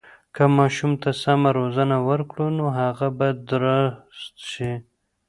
که ماشوم ته سمه روزنه ورکړو، نو هغه به درست شي.